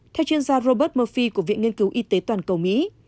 theo chuyên gia robert murfi của viện nghiên cứu y tế toàn cầu mỹ